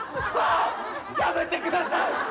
やめてください！